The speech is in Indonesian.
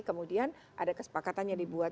kemudian ada kesepakatannya dibuat